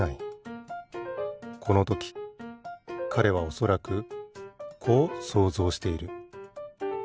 このときかれはおそらくこう想像している。